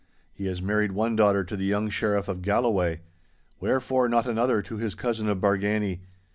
He has married one daughter to the young Sheriff of Galloway. Wherefore not another to his cousin of Bargany?